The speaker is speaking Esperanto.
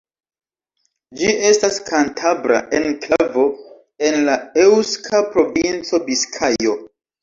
Ĝi estas kantabra enklavo en la eŭska provinco Biskajo.